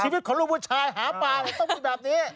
ชีวิตของลูกผู้ชายหาปลาต้องมีแบบนี้